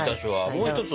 もう一つは？